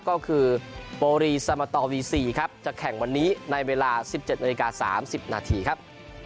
ก็คือโปรีสมตอวีซีครับจะแข่งวันนี้ในเวลา๑๗นาฬิกา๓๐นาทีครับ